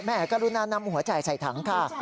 แม่กรุณานำหัวใจใส่ถังค่ะ